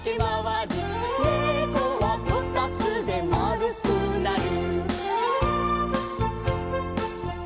「ねこはこたつでまるくなる」